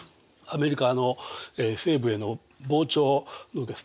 アメリカの西部への膨張のですね